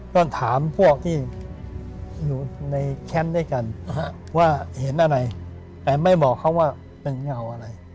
ก็ถามพวกที่อยู่ในแคมป์ด้วยกันว่าเห็นอะไรแต่ไม่บอกเขาว่าเป็นเงาอะไร